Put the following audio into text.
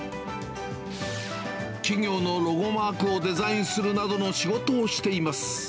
企業のロゴマークをデザインするなどの仕事をしています。